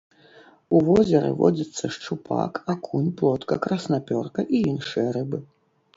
У возеры водзяцца шчупак, акунь, плотка, краснапёрка і іншыя рыбы.